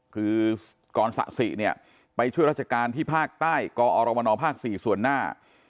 คือกรสะสิเนี่ยไปช่วยราชการที่ภาคใต้กอรมนภ๔ส่วนหน้า